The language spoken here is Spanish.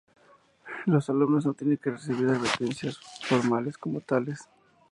Los alumnos no tienen que recibir "advertencias" formales como tales.